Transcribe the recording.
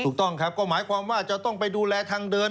ถูกต้องครับก็หมายความว่าจะต้องไปดูแลทางเดิน